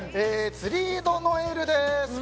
ツリード・ノエルです。